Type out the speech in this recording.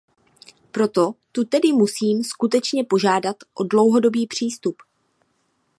Proto tu tedy musím skutečně požádat o dlouhodobý přístup.